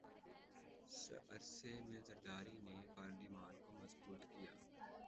س عرصے میں زرداری نے پارلیمان کو مضبوط کیا